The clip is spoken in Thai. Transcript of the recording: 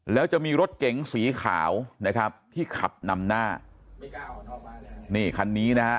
แล้วจะมีรถเก๋งสีขาวนะครับที่ขับนำหน้านี่คันนี้นะฮะ